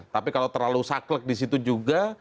tapi kalau terlalu saklek disitu juga